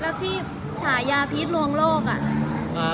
แล้วที่ฉายาพีชลวงโลกอ่ะ